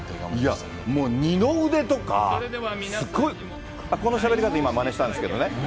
いや、二の腕とかすごい、このしゃべり方、今、まねしたんですけどね。